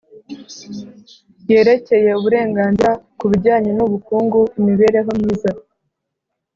yerekeye Uburenganzira ku bijyanye n ubukungu imibereho myiza